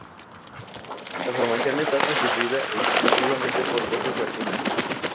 La formación está constituida exclusivamente por voces latinas.